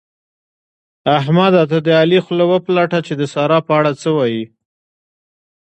احمده! ته د علي خوله وپلټه چې د سارا په اړه څه وايي؟